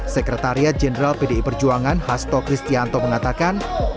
sekretariat jenderal pdi perjuangan hasto kristianto mengatakan